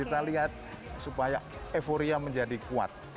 kita lihat supaya euforia menjadi kuat